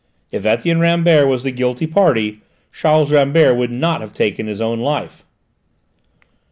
If Etienne Rambert was the guilty party, Charles Rambert would not have taken his own life."